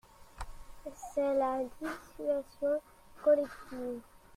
C’est la dissuasion collective.